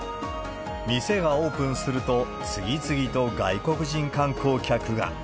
店がオープンすると、次々と外国人観光客が。